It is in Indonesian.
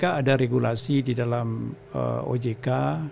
ada regulasi di dalam ojk